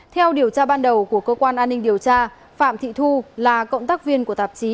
theo điều tra ban đầu của cơ quan an ninh điều tra phạm thị thu là cộng tác viên của tạp chí